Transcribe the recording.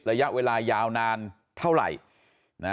ระยะเวลายาวนานเท่าไหร่